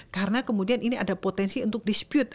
karena kemudian ini ada potensi untuk dispute